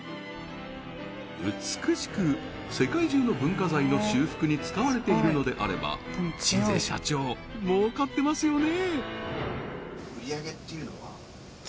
美しく世界中の文化財の修復に使われているのであれば鎭西社長儲かってますよね？